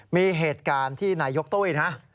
มีเหตุการณ์ที่นายกตุ้ยนะ